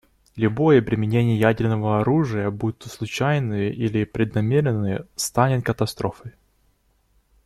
Любое применение ядерного оружия, будь-то случайное или преднамеренное, станет катастрофой.